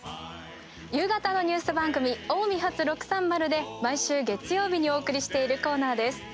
夕方のニュース番組「おうみ発６３０」で毎週月曜日にお送りしているコーナーです。